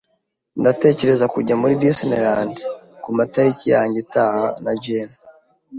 Ndatekereza kujya muri Disneyland kumatariki yanjye itaha na Jane.